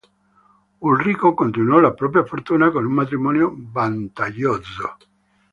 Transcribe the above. Ulrico continuò la propria fortuna con un matrimonio vantaggioso.